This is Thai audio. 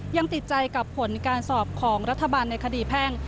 ยังติดใจกับผลการสอบของรัฐบาลในคดีแพ่ง